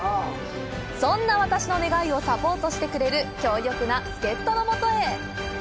そんな私の願いをサポートしてくれる強力な助っ人のもとへ。